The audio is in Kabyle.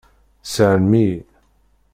Seɛlem-iyi.